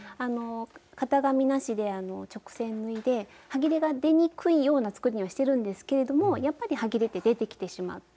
型紙なしで直線縫いではぎれが出にくいような作りにはしてるんですけれどもやっぱりはぎれって出てきてしまって。